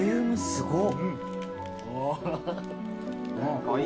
すごっ！